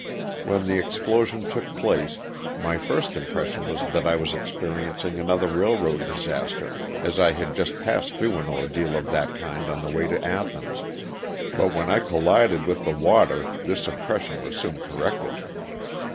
When the explosion took place my first impression was that I was experiencing another railroad disaster, as I had just passed through an ordeal of that kind on the way to Athens, but when I collided with the water this impression was soon corrected.